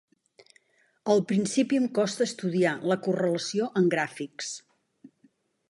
Al principi, em costa estudiar la correlació en gràfics.